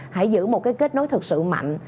hãy giữ một kết nối thật sự mạnh